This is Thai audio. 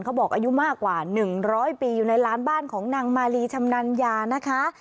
เขาบอกอายุมากกว่า๑๐๐ปีอยู่ในร้านบ้านของนางมาลีชำนัญญานะคะ